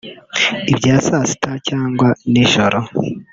ibya saa sita cyangwa nijoro